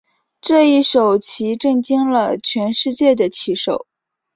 这一手棋震惊了全世界的棋手。